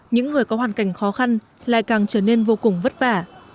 những người có hoàn cảnh khó khăn lại càng trở nên vô cùng vất vả